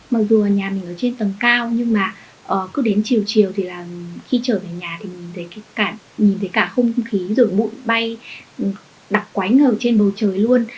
mặc dù nhà mình ở trên tầng cao nhưng mà cứ đến chiều chiều thì là khi trở về nhà thì nhìn thấy cả không khí rửa mụn bay đặc quái ngờ trên bầu trời luôn